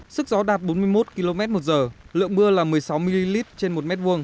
sức gió đạt bốn mươi một km một giờ lượng mưa là một mươi sáu ml trên một m hai